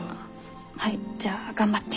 はいじゃあ頑張って。